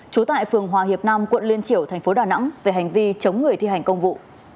trú tại phường hòa hiệp nam quận liên triểu thành phố đà nẵng về hành vi chống người thi hành công vụ